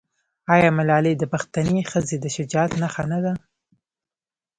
آیا ملالۍ د پښتنې ښځې د شجاعت نښه نه ده؟